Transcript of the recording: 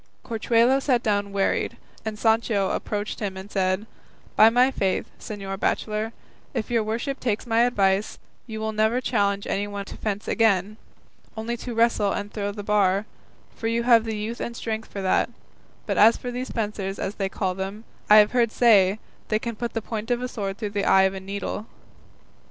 Corchuelo sat down wearied, and Sancho approaching him said, "By my faith, señor bachelor, if your worship takes my advice, you will never challenge anyone to fence again, only to wrestle and throw the bar, for you have the youth and strength for that; but as for these fencers as they call them, I have heard say they can put the point of a sword through the eye of a needle."